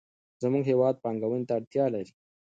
زموږ هېواد پانګونې ته اړتیا لري.